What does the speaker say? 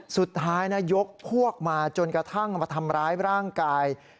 สุดท้ายยกพวกมาจนกระทั่งมาทำร้ายร่างกาย